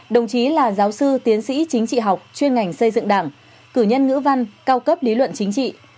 đồng chí là giáo sư tiến sĩ chính trị học chuyên ngành xây dựng đảng cử nhân ngữ văn cao cấp lý luận chính trị